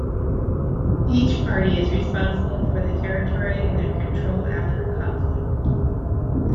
Each party is responsible for the territory in their control after a conflict.